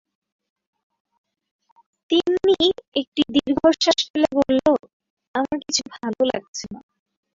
তিন্নি একটি দীর্ঘনিঃশ্বাস ফেলে বলল, আমার কিছু ভালো লাগছে না।